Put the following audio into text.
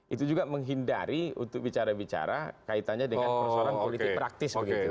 itu juga menghindari untuk bicara bicara kaitannya dengan persoalan politik praktis begitu